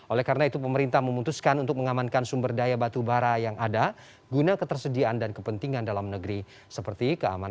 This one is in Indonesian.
oleh karena itu pemerintah memutuskan untuk mengamankan sumber daya batubara yang ada guna ketersediaan dan kepentingan dalam negeri seperti keamanan